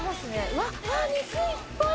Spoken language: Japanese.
うわっ肉いっぱい！